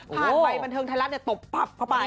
ผ่านไปบันเทิงไทยรัฐเนี่ยตบปับเข้าไป